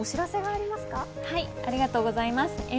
ありがとうございます。